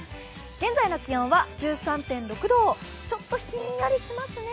現在の気温は１３．６度、ちょっとひんやりしますね。